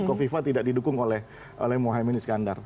kofifa tidak didukung oleh mohaimin iskandar